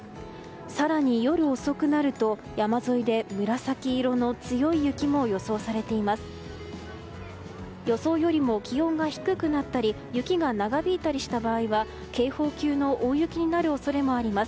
更に夜遅くなると山沿いで紫色の強い雪も予想されています。